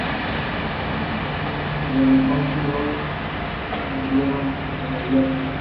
De los once, dos murieron en el viaje.